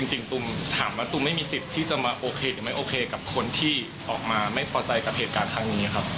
จริงตุ้มถามว่าตูมไม่มีสิทธิ์ที่จะมาโอเคหรือไม่โอเคกับคนที่ออกมาไม่พอใจกับเหตุการณ์ครั้งนี้ครับ